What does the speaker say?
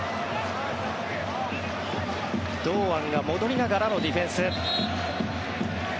堂安が戻りながらのディフェンス。